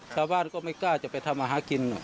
ชาวบ้านก็ไม่กล้าจะไปทำอาหารกิน